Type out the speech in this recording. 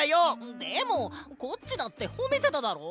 でもコッチだってほめてただろ！